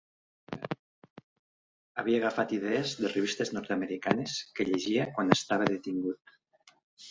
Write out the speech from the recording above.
Havia agafat idees de revistes nord-americanes que llegia quan estava detingut.